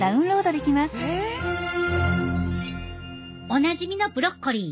おなじみのブロッコリー。